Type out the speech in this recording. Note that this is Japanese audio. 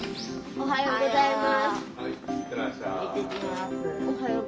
おはようございます。